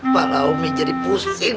pak laomi jadi pusing